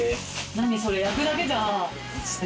何それ、焼くだけじゃん。